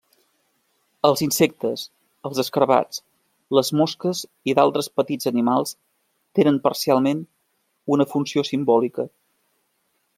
Els insectes, els escarabats, les mosques i d'altres petits animals tenen parcialment una funció simbòlica.